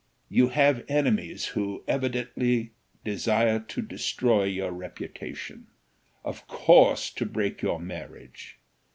You have enemies who evidently desire to destroy your reputation, of course to break your marriage.